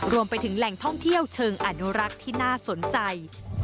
รวมไปถึงแหล่งท่องเที่ยวเชิงอนุรักษ์ที่น่าสนใจ